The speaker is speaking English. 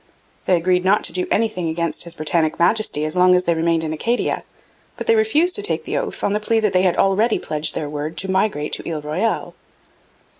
They agreed not to do anything against His Britannic Majesty as long as they remained in Acadia; but they refused to take the oath on the plea that they had already pledged their word to migrate to Ile Royale.